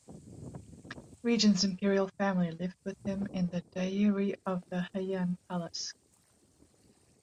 Regien's Imperial family lived with him in the Dairi of the Heian Palace.